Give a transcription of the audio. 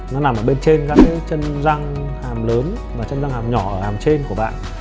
nó nằm ở bên trên gắn những chân răng hàm lớn và chân răng hàm nhỏ ở hàm trên của bạn